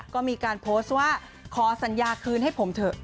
ก็มีการโพสต์ว่าขอสัญญาคืนให้ผมเถอะ